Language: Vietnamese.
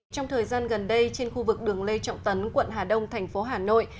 trong thời gian gần đây trên khu vực đường lê trọng tấn quận hà đông thành phố hà nội